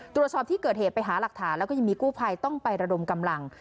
ตรวจสอบที่เกิดเหตุไปหาหลักฐานแล้วก็ยังมีกู้ภัยต้องไประดมกำลัง